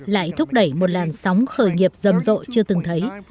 lại thúc đẩy một làn sóng khởi nghiệp rầm rộ chưa từng thấy